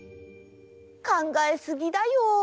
かんがえすぎだよ。